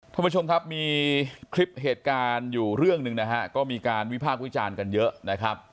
สวัสดีค่ะมีเคล็ปเหตุการณ์อยู่เรื่องนึงก็มีการวิภาควิจารณ์กันเยอะ